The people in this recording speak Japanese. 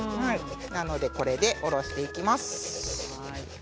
これでおろしていきます。